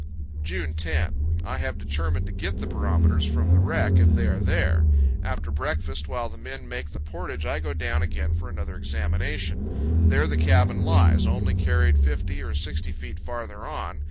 June 10. I have determined to get the barometers from the wreck, if they are there. After breakfast, while the men make the portage, I go down again for another examination, There the cabin lies, only carried 50 or 60 feet farther on.